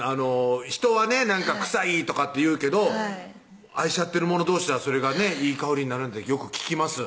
人はね臭いとかって言うけど愛し合ってる者どうしはそれがねいい香りになるなんてよく聞きます